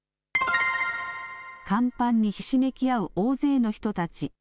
甲板にひしめき合う大勢の人たち。